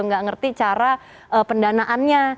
nggak ngerti cara pendanaannya